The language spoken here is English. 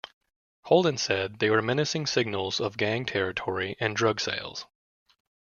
Holden said they were menacing signals of gang territory and drug sales.